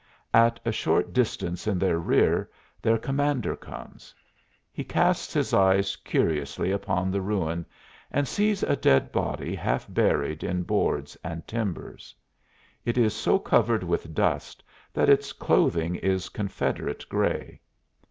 At a short distance in their rear their commander comes. He casts his eyes curiously upon the ruin and sees a dead body half buried in boards and timbers. It is so covered with dust that its clothing is Confederate gray.